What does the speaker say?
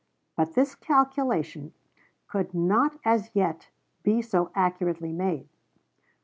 But this calculation could not as yet be so accurately made.